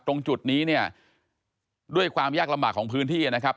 ตรงจุดนี้เนี่ยด้วยความยากลำบากของพื้นที่นะครับ